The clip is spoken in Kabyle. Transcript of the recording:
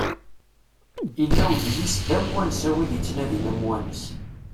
Illa udlis d amwanes a wid ittnadin amwanes.